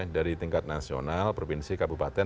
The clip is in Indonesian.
dari tingkat nasional provinsi kabupaten